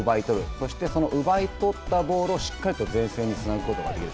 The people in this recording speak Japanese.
そして、奪い取ったボールをしっかりと前線につなぐことができる。